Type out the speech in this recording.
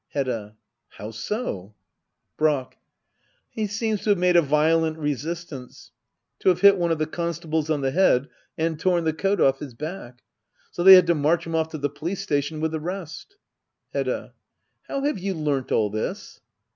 Hedda. How so ? Brack. He seems to have made a violent resistance — to have hit one of the constables on the head and torn the coat off his back. So they had to march him off to the police station with the rest. Hedda. How have you learnt all this